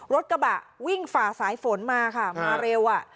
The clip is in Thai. รถกระบะวิ่งฝ่าสายฝนมาค่ะมาเร็วอ่ะ